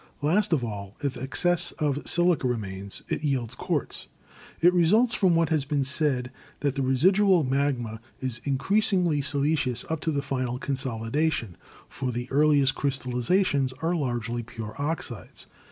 Last of all, if excess of silica remains, it yields quartz. It results from what has been said that the residual magma is increasingly siliceous up to the final consolidation, for the earliest crystallizations are largely pure oxides.